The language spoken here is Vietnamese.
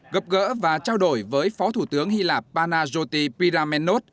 gặp gỡ và trao đổi với phó thủ tướng hy lạp panagioti pyramenot